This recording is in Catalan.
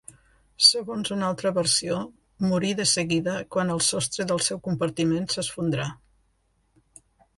Segons una altra versió, morí de seguida quan el sostre del seu compartiment s'esfondrà.